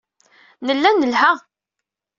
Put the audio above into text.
Nella nelha.